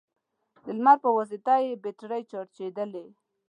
د لمر په واسطه يې بېټرۍ چارجېدلې،